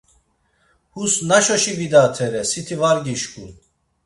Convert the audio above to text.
Hus naşoşi vidatere, siti var gişǩun.